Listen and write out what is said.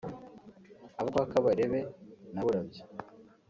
Abo kwa Kabarebe na Burabyo